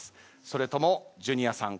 それともジュニアさん